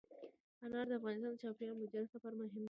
انار د افغانستان د چاپیریال د مدیریت لپاره مهم دي.